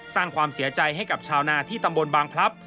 สร้างความเสียใจให้กับชาวนาที่ตำบลบางพลับ